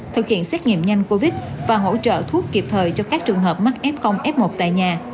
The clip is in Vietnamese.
thực hiện xét nghiệm nhanh covid và hỗ trợ thuốc kịp thời cho các trường hợp mắc f f một tại nhà